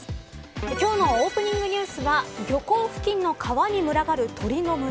今日のオープニングニュースは漁港付近の川に群がる鳥の群れ。